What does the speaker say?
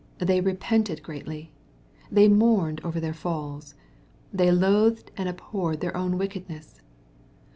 They repented greatly. They mourned over their falls. They loathed and abhorred their own wickedness.